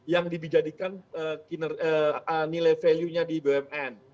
yang dibijadikan nilai value nya di bumn